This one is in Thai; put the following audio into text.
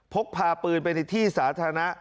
พกพาปืนไปในที่สาธารณะ